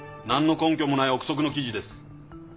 何の根拠もない憶測の記事です！